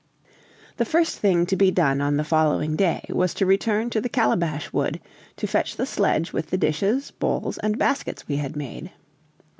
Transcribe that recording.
The first thing to be done on the following day was to return to the Calabash Wood, to fetch the sledge with the dishes, bowls, and baskets we had made.